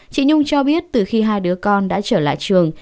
chị nhung cho biết từ khi hai đứa con đã trở lại trường